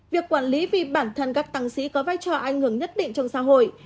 việc quản lý vì bản thân các tăng sĩ có vai trò ảnh hưởng nhất định trong xã hội